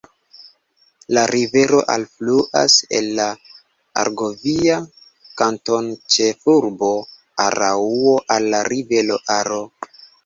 La rivero alfluas en la argovia kantonĉefurbo Araŭo al la rivero Aro.